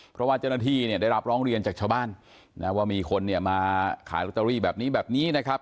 เพราะว่าเจ้าหน้าที่เนี่ยได้รับร้องเรียนจากชาวบ้านนะว่ามีคนเนี่ยมาขายลอตเตอรี่แบบนี้แบบนี้นะครับ